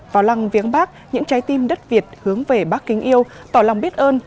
vào lăng viếng bác những trái tim đất việt hướng về bác kính yêu tỏ lòng biết ơn